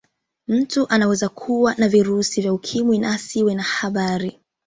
Mtu anaweza kuwa na virusi vya ukimwi na asiwe na habari